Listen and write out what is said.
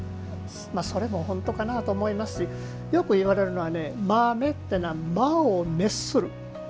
それも本当かな？と思いますしよく言われるのは豆っていうのは魔を滅する。